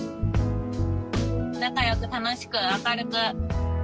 仲良く楽しく明るく。